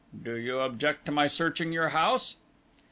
Do you object to my searching your house?"